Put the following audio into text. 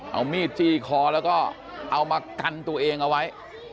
เอามีดจี้คอแล้วก็เอามากันตัวเองเอาไว้